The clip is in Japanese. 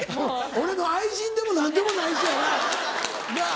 俺の愛人でも何でもないしやななぁ。